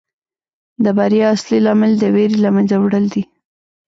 د بریا اصلي لامل د ویرې له منځه وړل دي.